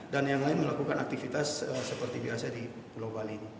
dan yang lain melakukan aktivitas seperti biasa di pulau bali